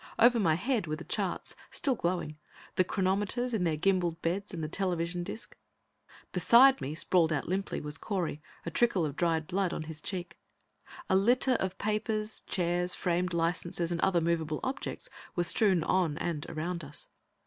Over my head were the charts, still glowing, the chronometers in their gimballed beds, and the television disc. Beside me, sprawled out limply, was Correy, a trickle of dried blood on his cheek. A litter of papers, chairs, framed licenses and other movable objects were strewn on and around us.